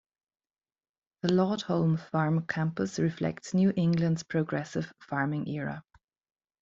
The Laudholm Farm campus reflects New England's progressive farming era.